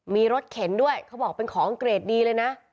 มีรถเข็นด้วยเขาบอกเป็นของอังเกรดดีเลยนะ